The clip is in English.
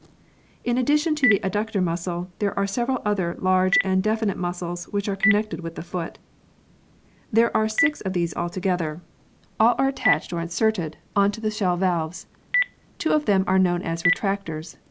In addition to the adductor muscle, there are several other large and definite muscles which are connected with the foot. There are six of these altogether. All are in] THE PEARL OYSTER 31 attached or inserted on to the shell valves. Two of them are known as Retractors.